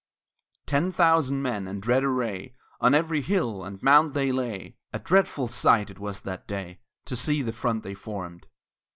Ten thousand men, in dread array On every hill and mound they lay A dreadful sight it was that day To see the front they formed.